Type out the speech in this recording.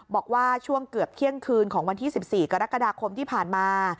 บอกว่าช่วงเกือบเที่ยงคืนของวันที่๑๔กรกฎาคมที่ผ่านมา